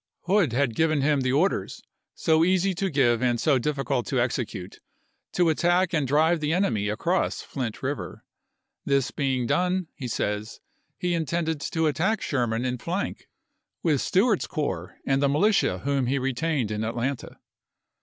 Hood had given him the orders, so easy to give and so dim ATLANTA 287 cult to execute, to attack and drive the enemy chap. xii. across Flint River. This being done, he says, he intended to attack Sherman in flank with Stewart's corps and the militia whom he retained in Atlanta.